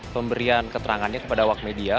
pemberian keterangannya kepada awak media